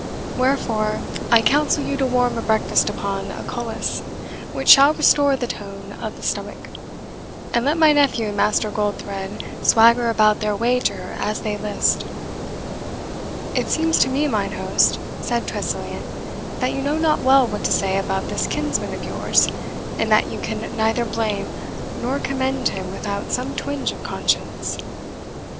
Wherefore, I counsel you to a warm breakfast upon a culiss, which shall restore the tone of the stomach; and let my nephew and Master Goldthred swagger about their wager as they list." "It seems to me, mine host," said Tressilian, "that you know not well what to say about this kinsman of yours, and that you can neither blame nor commend him without some twinge of conscience."